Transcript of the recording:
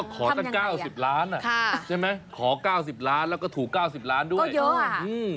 ขอตั้งเก้าสิบล้านอ่ะค่ะใช่ไหมขอเก้าสิบล้านแล้วก็ถูกเก้าสิบล้านด้วยเยอะอืม